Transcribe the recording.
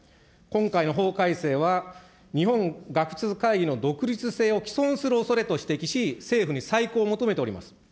今回の法改正は日本学術会議の独立性を毀損するおそれと指摘し、政府に再考を求めております。